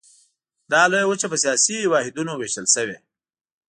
دا لویه وچه په سیاسي واحدونو ویشل شوې.